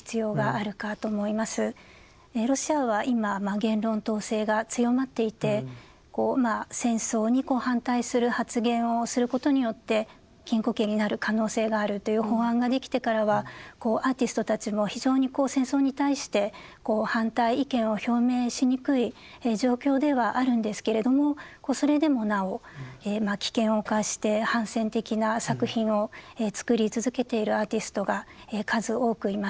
ロシアは今言論統制が強まっていてこうまあ戦争に反対する発言をすることによって禁錮刑になる可能性があるという法案が出来てからはアーティストたちも非常に戦争に対してこう反対意見を表明しにくい状況ではあるんですけれどもそれでもなお危険を冒して反戦的な作品を作り続けているアーティストが数多くいます。